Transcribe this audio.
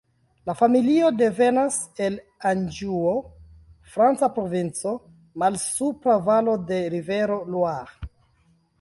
La familio devenas el Anĵuo, franca provinco, malsupra valo de rivero Loire.